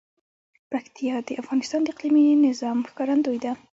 پکتیا د افغانستان د اقلیمي نظام ښکارندوی ده.